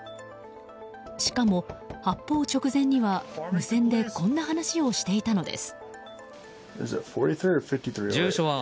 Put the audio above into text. しかも発砲直前には無線でこんな話をしていたのです。